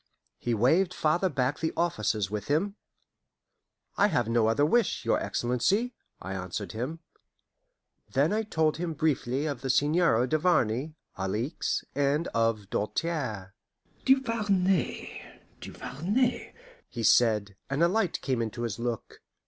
He waved farther back the officers with him. "I have no other wish, your Excellency," I answered him. Then I told him briefly of the Seigneur Duvarney, Alixe, and of Doltaire. "Duvarney! Duvarney!" he said, and a light came into his look.